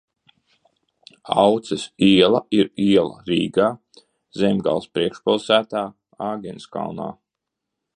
Auces iela ir iela Rīgā, Zemgales priekšpilsētā, Āgenskalnā.